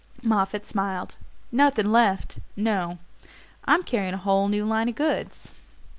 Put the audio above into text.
Moffatt smiled. "Nothing LEFT no; I'm carrying a whole new line of goods."